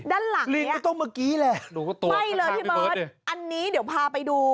ด้านหลังลิงก็ต้องเมื่อกี้แหละไม่เลยพี่เบิร์ตอันนี้เดี๋ยวพาไปดู